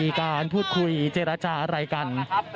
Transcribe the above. ในมีการพูดคุยเจรัจารณ์อะไรกัน